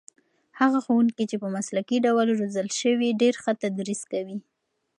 هغه ښوونکي چې په مسلکي ډول روزل شوي ډېر ښه تدریس کوي.